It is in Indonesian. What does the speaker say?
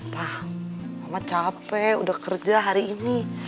wah mama capek udah kerja hari ini